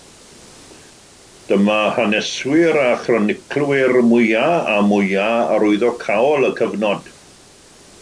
Dyma haneswyr a chroniclwyr mwyaf a mwyaf arwyddocaol y cyfnod.